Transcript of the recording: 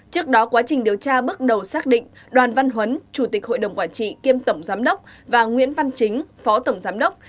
trước đó quá trình điều tra bước đầu xác định đoàn văn huấn chủ tịch hội đồng quản trị kiêm tổng giám đốc và nguyễn văn chính phó tổng giám đốc